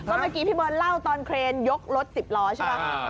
เมื่อกี้พี่เบิร์ดเล่าตอนเครนยกรถ๑๐ล้อใช่ไหม